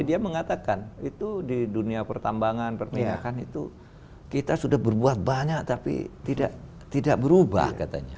jadi dia mengatakan itu di dunia pertambangan permenyakan itu kita sudah berbuat banyak tapi tidak berubah katanya